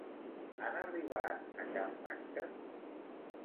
Han arribat a cap pacte?